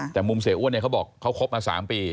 แต่มุมเสียอ้วนเนี่ยเขาบอกเขาคบมา๓ปี